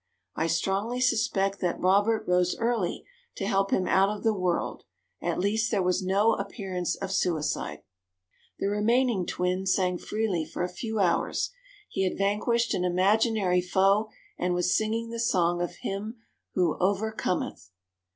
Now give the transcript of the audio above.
I strongly suspect that Robert rose early to help him out of the world; at least there was no appearance of suicide! The remaining twin sang freely for a few hours; he had vanquished an imaginary foe and was singing the song of him who overcometh.